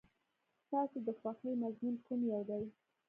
ستاسو د خوښې مضمون کوم یو دی؟